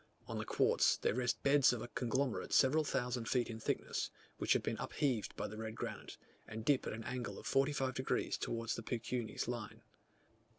On the quartz, there rest beds of a conglomerate several thousand feet in thickness, which have been upheaved by the red granite, and dip at an angle of 45 degs. towards the Peuquenes line.